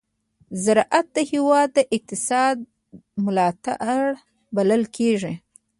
زراعت د هېواد د اقتصاد ملا تېر بلل کېږي.